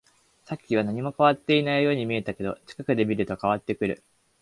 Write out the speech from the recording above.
さっきは何も変わっていないように見えたけど、近くで見ると変わっている